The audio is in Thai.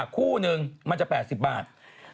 คู่นึงมันจะ๘๐บาท